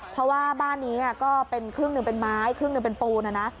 เพราะว่าบ้านนี้ก็เป็นครึ่งหนึ่งเป็นไม้ครึ่งหนึ่งเป็นปูนนะนะ